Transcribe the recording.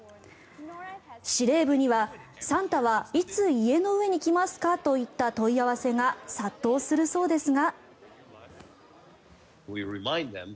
司令部にはサンタはいつ家の上に来ますかといった問い合わせが殺到するそうですが。